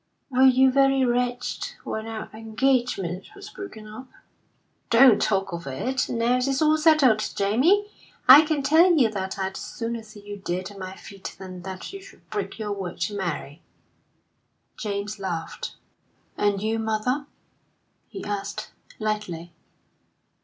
"Were you very wretched when our engagement was broken off?" "Don't talk of it! Now it's all settled, Jamie, I can tell you that I'd sooner see you dead at my feet than that you should break your word to Mary." James laughed. "And you, mother?" he asked, lightly.